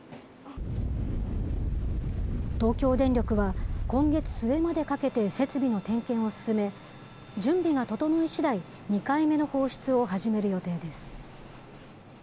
東京電力は、今月末までかけて設備の点検を進め、準備が整いしだい、２回目の放出を始める予定です。